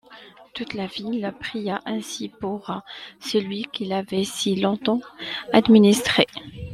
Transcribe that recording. Toute la ville pria ainsi pour celui qui l'avait si long-temps administrée.